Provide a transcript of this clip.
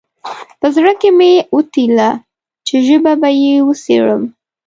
په زړه کې مې وپتېیله چې ژبه به یې وڅېړم.